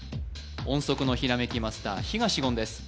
音速のひらめきマスター東言です